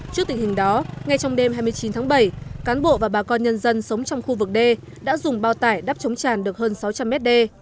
trước tình hình đó ngay trong đêm hai mươi chín tháng bảy cán bộ và bà con nhân dân sống trong khu vực đê đã dùng bao tải đắp chống tràn được hơn sáu trăm linh mét đê